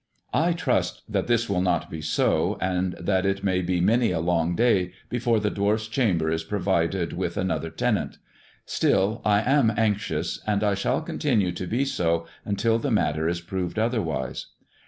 I trust that this will not be so, and that it may be many a long day before the dwarf's chamber is provided with another tenant. Still, I am anxious, and I shall continue to be so until the matter is proved otherwise.